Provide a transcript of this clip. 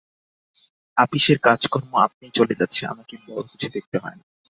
আপিসের কাজকর্ম আপনিই চলে যাচ্ছে, আমাকে বড়ো কিছু দেখতে হয় না।